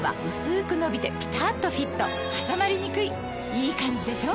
いいカンジでしょ？